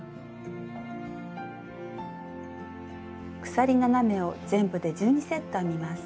鎖７目を全部で１２セット編みます。